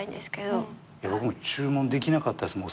僕も注文できなかったですもん